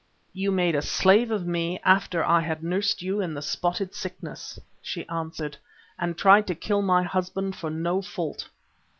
"You made a slave of me after I had nursed you in the spotted sickness," she answered, "and tried to kill my husband for no fault.